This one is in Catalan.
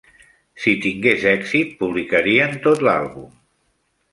Si tingués èxit, publicarien tot l'àlbum.